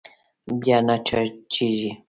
بيا نه چارجېږي.